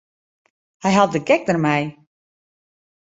Hy hat de gek dermei.